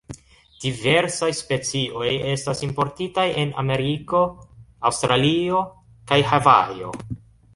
Diversaj specioj estas importitaj en Ameriko, Aŭstralio kaj Havajo.